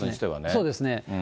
そうですね。